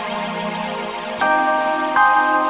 kunci ada apa